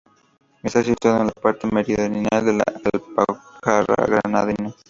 Está situado en la parte meridional de la Alpujarra Granadina.